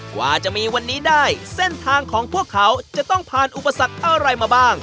กว่าจะมีวันนี้ได้เส้นทางของพวกเขาจะต้องผ่านอุปสรรคอะไรมาบ้าง